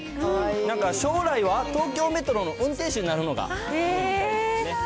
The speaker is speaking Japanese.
なんか将来は東京メトロの運転士になるのが夢みたいですね。